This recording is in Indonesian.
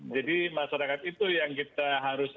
jadi masyarakat itu yang kita harus